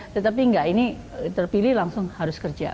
tetapi enggak ini terpilih langsung harus kerja